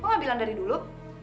kok nggak bilang dari dulu